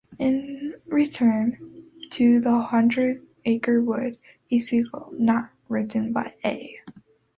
In "Return to the Hundred Acre Wood", a sequel not written by A.